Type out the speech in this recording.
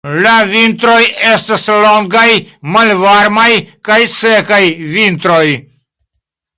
La vintroj estas longaj, malvarmaj kaj sekaj vintroj.